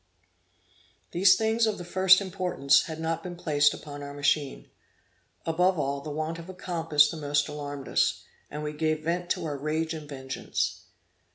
These things of the first importance, had not been placed upon our machine. Above all, the want of a compass the most alarmed us, and we gave vent to our rage and vengeance.